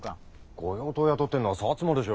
御用盗を雇ってんのは摩でしょ